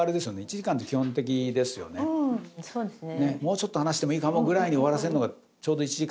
そうですね